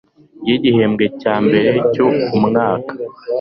ry igihembwe cya mbere cy umwaka